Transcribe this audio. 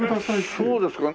そうですか。